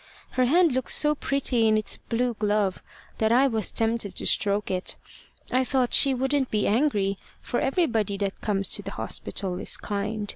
Her hand looked so pretty in its blue glove, that I was tempted to stroke it. I thought she wouldn't be angry, for everybody that comes to the hospital is kind.